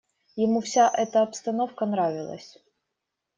Ему вся эта обстановка нравилась.